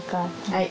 はい。